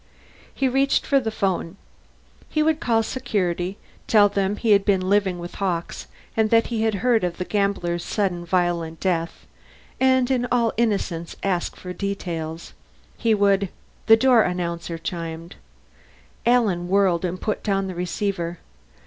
He reached for the phone. He would call Security, tell them he had been living with Hawkes and had heard of the gambler's sudden violent death, and in all innocence ask for details. He would The door announcer chimed. Alan whirled and put down the receiver.